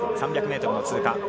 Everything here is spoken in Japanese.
３００ｍ通過。